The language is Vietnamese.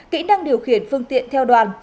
kỹ năng điều khiển phương tiện theo đoàn